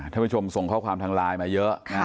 ท่านผู้ชมส่งข้อความทางไลน์มาเยอะ